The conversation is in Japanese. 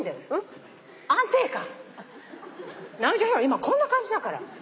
今こんな感じだから。